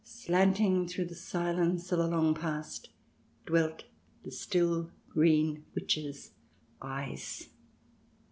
Slanting through the silence of the long past, Dwelt the still green Witch's eyes.